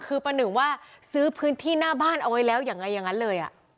คือประหนึ่งว่าซื้อพื้นที่หน้าบ้านเอาไว้แล้วยังไงอย่างนั้นเลย